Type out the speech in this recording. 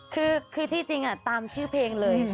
คือที่จริงตามชื่อเพลงเลย